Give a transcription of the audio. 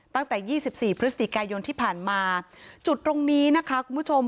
ตั้งแต่ยี่สิบสี่พฤศจิกายนที่ผ่านมาจุดตรงนี้นะคะคุณผู้ชม